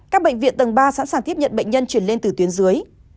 các bệnh viện tầng ba sẵn sàng tiếp nhận bệnh nhân chuyển lên từ tuyến dưới